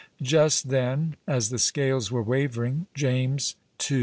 Just then, as the scales were wavering, James II.